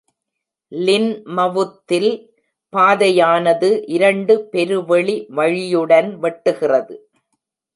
லின்மவுத்தில் பாதையானது இரண்டு பெருவெளி வழியுடன் வெட்டுகிறது.